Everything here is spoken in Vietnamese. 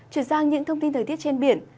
chuyển sang những thông tin thời tiết trên biển